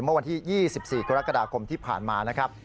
เมื่อวันที่๒๔กรกฎาคมที่ผ่านมานะครับ